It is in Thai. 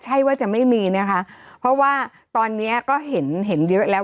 ใช่ว่าจะไม่มีนะคะเพราะว่าตอนนี้ก็เห็นเห็นเยอะแล้ว